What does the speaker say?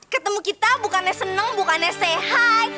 ketemu kita bukannya seneng bukannya say hi